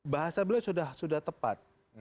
bahasa beliau sudah tepat